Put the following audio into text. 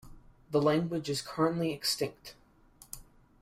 The language is currently extinct.